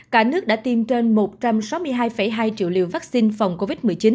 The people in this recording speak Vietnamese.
cả nước đã tiêm trên một trăm sáu mươi hai hai triệu liều vaccine phòng covid một mươi chín